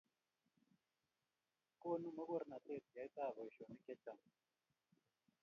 konu mokornatet yaetab boisionik che chang'